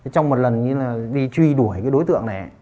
trong một lần như là đi truy đuổi cái đối tượng này